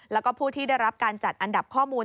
แล้วก็ผู้ที่ได้รับการจัดอันดับข้อมูล